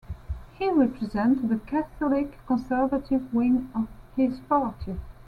He represents the Catholic-conservative wing of his party.